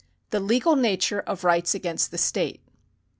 The Legal Nature of Rights against the State.